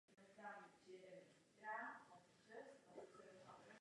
Při „Československé vojenské správě“ pracovala i Československo–francouzská vojenská mise.